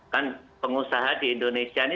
kan pengusaha di indonesia ini